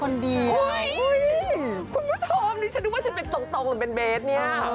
คุณผู้ชมฉันรู้ว่าฉันเป็นตรงกับเบสนี่